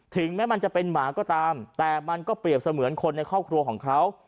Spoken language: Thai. ถึงแม้มันจะเป็นหมาก็ตามแต่มันก็เปรียบเสมือนคนในครอบครัวของเขา